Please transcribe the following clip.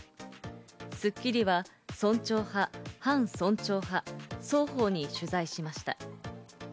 『スッキリ』は村長派、反村長派、双方に取材しました。